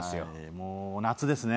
もう夏ですね。